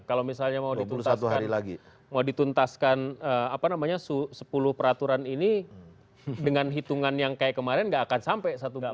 kalau misalnya mau dituntaskan sepuluh peraturan ini dengan hitungan yang kayak kemarin nggak akan sampai satu bulan